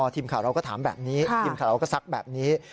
ทีมข่าวเราก็ถามแบบนี้ทีมข่าวเราก็ซักแบบนี้